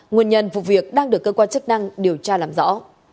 nguyên nhân vụ việc đang được cơ quan chức năng điều tra làm rõ